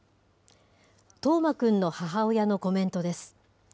冬生くんの母親のコメントです。